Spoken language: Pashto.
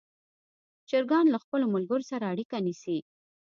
چرګان له خپلو ملګرو سره اړیکه نیسي.